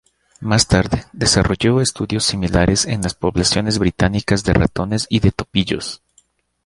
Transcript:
Más tarde, desarrolló estudios similares en las poblaciones británicas de ratones y de topillos.